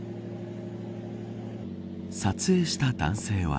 撮影した男性は。